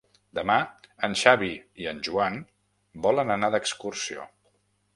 Demà en Xavi i en Joan volen anar d'excursió.